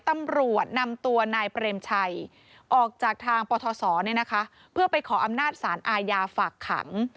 ตำรวจนำตัวนายเปรมชัยออกจากทางปทศเพื่อไปขออำนาจสารอาญาฝากขัง